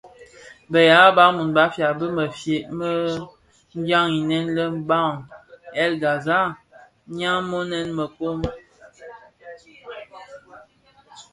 Bë yaa Bantu (ya Bafia) bi mëfye më dyaň innë le bahr El Ghazal nnamonèn mëkoo.